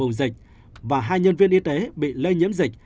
lào cai đã bị nhiễm covid một mươi chín và hai nhân viên y tế bị lây nhiễm dịch